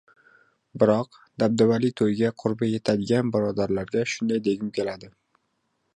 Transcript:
Biroq, dabdabali to‘yga qurbi yetadigan birodarlarga shunday degim keladi.